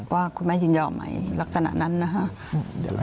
ว่าคุณแม่ยินยอมไหมลักษณะนั้นนะครับ